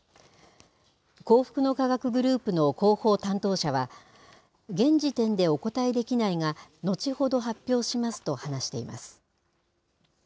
幸福の科学グループの広報担当者は、現時点でお答えできないが、後ほど発表しますと話しています。